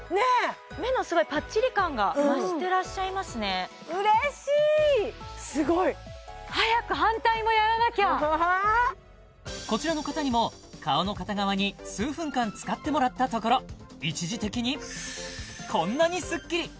目のすごいパッチリ感が増してらっしゃいますねうれしいすごいこちらの方にも顔の片側に数分間使ってもらったところ一時的にこんなにスッキリ！